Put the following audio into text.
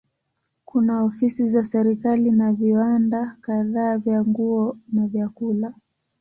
Kuna ofisi za serikali na viwanda kadhaa vya nguo na vyakula.